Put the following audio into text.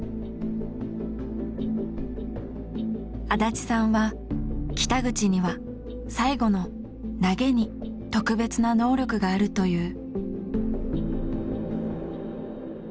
足立さんは北口には最後の“投げ”に特別な能力があるという。